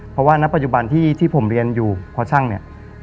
เพราะว่าณปัจจุบันที่ผมเรียนอยู่พอช่างเนี่ย